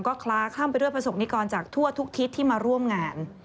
ก็คล้าข้ามไปด้วยประสบนิกรจากทั่วทุกทิศที่มาร่วมงาน